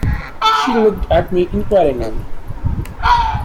She looked at me inquiringly.